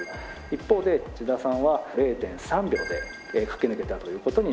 一方で千田さんは０．３秒で駆け抜けたという事になります。